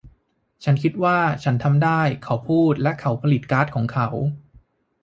ฉันคิดว่าฉันทำได้เขาพูดและเขาผลิตการ์ดของเขา